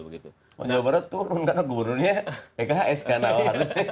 oh di jawa barat turun karena gubernurnya pks kan awalnya